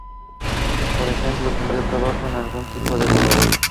Por ejemplo, ¿tendría el trabajo algún tipo de valor?